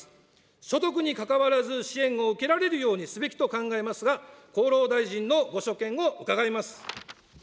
所得にかかわらず支援を受けられるようにすべきと考えますが、厚労大臣のご所見を伺います。